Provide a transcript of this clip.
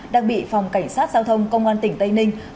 đang bị phòng cảnh sát giao thông công an tỉnh tây ninh